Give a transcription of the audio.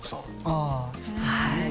ああそうですね。